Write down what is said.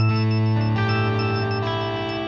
gila beres sih